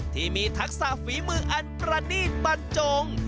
ที่มีทักษะฝีมืออันประนีตบรรจง